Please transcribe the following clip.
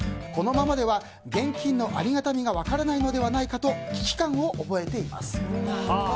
このままでは現金のありがたみが分からないのではないかと危機感を覚えています。